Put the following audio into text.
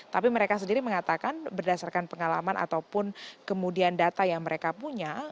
tapi mereka sendiri mengatakan berdasarkan pengalaman ataupun kemudian data yang mereka punya